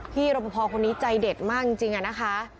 รบพอคนนี้ใจเด็ดมากจริงอะนะคะ